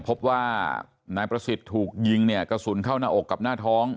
พบว่านายประสิทธิ์ถูกยิงเนี่ยกระสุนเข้าหน้าอกกับหน้าท้อง